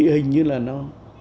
hình như là nó